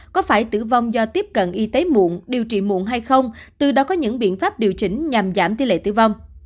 có phải tử vong do tiếp cận y tế muộn điều trị muộn hay không từ đó có những biện pháp điều chỉnh nhằm giảm tỷ lệ tử vong